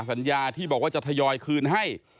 สัญญาที่บอกว่าจะทยอยคืนให้